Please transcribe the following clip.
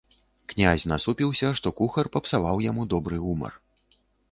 Князь насупіўся, што кухар папсаваў яму добры гумар.